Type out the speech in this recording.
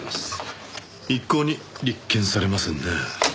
一向に立件されませんね。